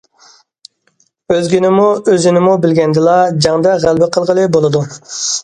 ئۆزگىنىمۇ، ئۆزىنىمۇ بىلگەندىلا، جەڭدە غەلىبە قىلغىلى بولىدۇ.